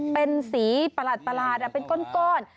เป็นสีประหลาดเป็นก้อน